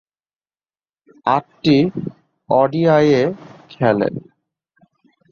আটটি ওডিআইয়ে খেলেন।